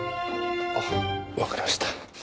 あわかりました。